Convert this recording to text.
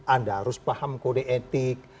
anda harus paham kode etik